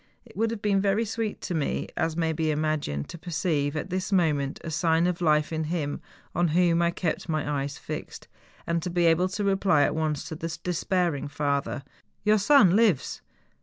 It would have been very sweet to me. THE GALENSTOCK. 93 as may be imagined, to perceive, at this moment, a sign of life in him on whom I kept my eyes fixed, and to be able to reply at once to the despairing father, ' Your son lives!